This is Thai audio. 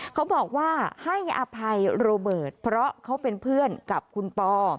เขาบอกว่าให้อภัยโรเบิร์ตเพราะเขาเป็นเพื่อนกับคุณปอ